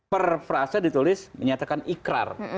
per frase ditulis menyatakan ikrar